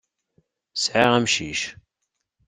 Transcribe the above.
Sɛiɣ amcic.